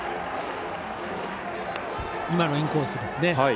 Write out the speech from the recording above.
今のインコースですね。